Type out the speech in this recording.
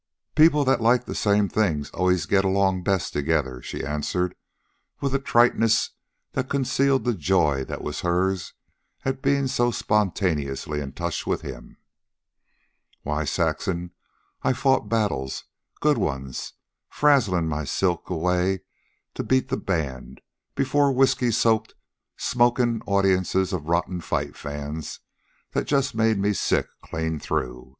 "People that like the same things always get along best together," she answered, with a triteness that concealed the joy that was hers at being so spontaneously in touch with him. "Why, Saxon, I've fought battles, good ones, frazzlin' my silk away to beat the band before whisky soaked, smokin' audiences of rotten fight fans, that just made me sick clean through.